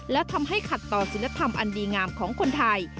และทำให้ขัดต่อศิลธรรมอันดีงามของคนไทย